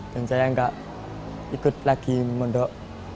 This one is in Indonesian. dan saya tidak ikut lagi memondok